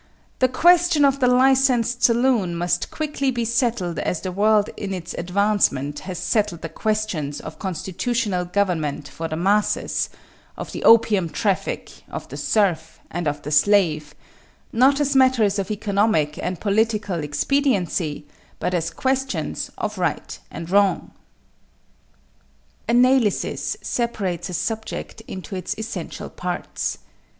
the question of the licensed saloon must quickly be settled as the world in its advancement has settled the questions of constitutional government for the masses, of the opium traffic, of the serf, and of the slave not as matters of economic and political expediency but as questions of right and wrong. =Analysis= separates a subject into its essential parts.